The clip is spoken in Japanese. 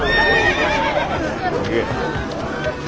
行け。